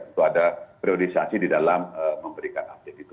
itu ada priorisasi di dalam memberikan update itu